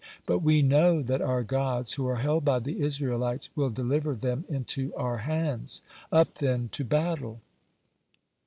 But we know that our gods, who are held by the Israelites, will deliver them into our hands. Up, then, to battle!"